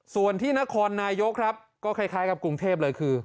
ส่วนที่นครนายกครับก็คล้ายกับกรุงเทพเลยคือ